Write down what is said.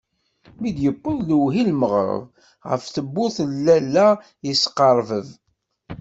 Mi yewweḍ lewhi n lmeɣreb, ɣef tewwurt n lalla yesqerbeb.